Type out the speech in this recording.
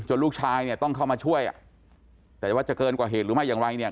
จนลูกชายต้องเข้ามาช่วยแต่ว่าจะเกินกว่าเหตุหรือไม่อย่างไร